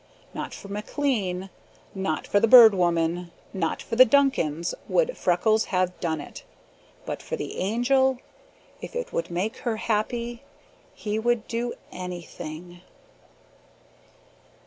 Not for McLean, not for the Bird Woman, not for the Duncans would Freckles have done it but for the Angel if it would make her happy he would do anything.